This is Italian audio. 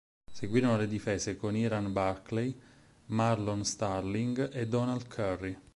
Seguirono le difese con Iran Barkley, Marlon Starling e Donald Curry.